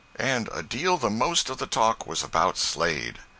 And a deal the most of the talk was about Slade.